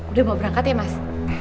udah mau berangkat ya mas